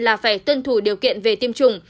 là phải tuân thủ điều kiện về tiêm chủng